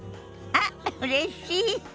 あっうれしい。